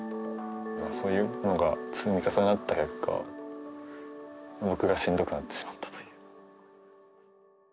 そういうのが積み重なった結果僕がしんどくなってしまったという。